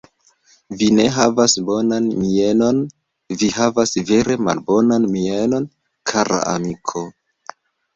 Vi ne havas bonan mienon; vi havas vere malbonan mienon, kara amiko.